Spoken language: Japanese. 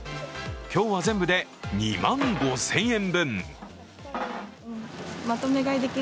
今日は全部で２万５０００円分。